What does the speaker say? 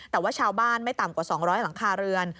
แต่ว่าชาวบ้านไม่ต่ำกว่า๒๐๐หลังคาเรือน